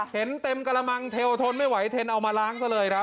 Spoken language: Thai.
เห็นเต็มกระมังเทลทนไม่ไหวเทนเอามาล้างซะเลยครับ